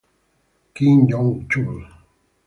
Kim Young-chul